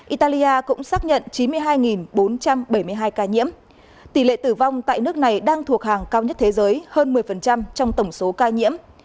italia cũng xác nhận chín mươi hai bốn trăm bảy mươi hai ca nhiễm tỷ lệ tử vong tại nước này đang thuộc hàng cao nhất thế giới hơn một mươi trong tổng số ca nhiễm